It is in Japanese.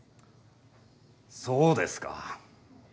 そうですか。